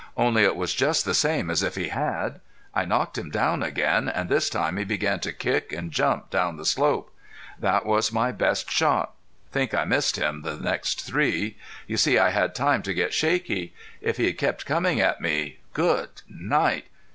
Only it was just the same as if he had!... I knocked him down again and this time he began to kick and jump down the slope. That was my best shot. Think I missed him the next three. You see I had time to get shaky. If he had kept coming at me good night!...